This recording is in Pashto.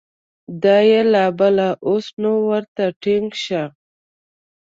دا یې لا بله ، اوس نو ورته ټینګ شه !